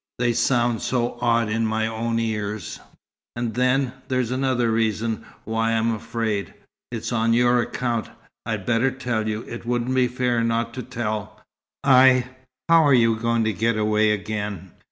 They sound so odd in my own ears. And then there's another reason why I'm afraid. It's on your account. I'd better tell you. It wouldn't be fair not to tell. I how are you going to get away again?"